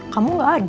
kamu gak ada